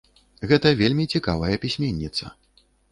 Гэта вельмі цікавая пісьменніца.